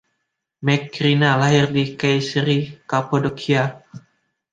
Macrina lahir di Kayseri, Kapadokia.